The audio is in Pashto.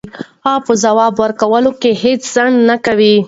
هغه په ځواب ورکولو کې هیڅ ځنډ نه کوي.